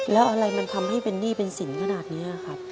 แล้วอะไรมันทำให้เป็นหนี้เป็นสินขนาดนี้ครับ